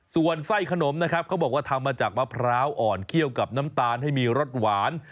ส่วนไส้ขนมนะครับเขาบอกว่าทำมาจากมะพร้าวอ่อนเคี่ยวกับน้ำตาลให้มีรสหวาน